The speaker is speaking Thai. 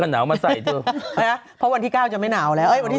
แต่ถ้าสมมุติหนูถีบรับไม่ได้ดูไว้บอกเออ